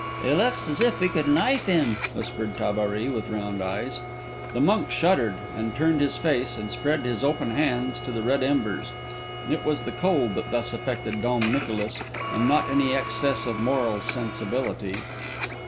"He looks as if he could knife him," whispered Tabary, with round eyes. The monk shuddered, and turned his face and spread his open hands to the red embers. It was the cold that thus affected Dom Nicolas, and not any excess of moral sensibility.